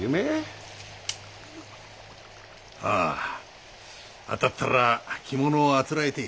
ああ当たったら着物を誂えてえ。